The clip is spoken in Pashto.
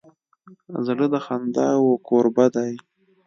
زړه د خنداوو کوربه دی.